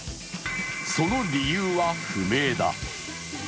その理由は不明だ。